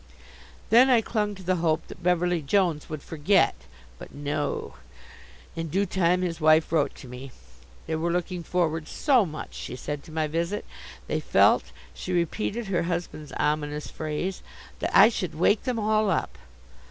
Then I clung to the hope that Beverly Jones would forget. But no. In due time his wife wrote to me. They were looking forward so much, she said, to my visit; they felt she repeated her husband's ominous phrase that I should wake them all up!